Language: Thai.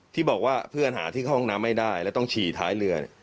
ที่บอกว่าเพื่อนหาที่เข้าห้องน้ำไม่ได้แล้วต้องฉี่ท้ายเรือ